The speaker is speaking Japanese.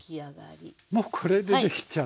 もうこれでできちゃう。